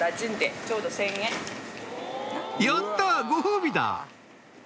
やったご褒美だ